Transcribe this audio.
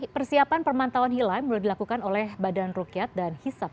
persiapan pemantauan hilal mulai dilakukan oleh badan rukyat dan hisap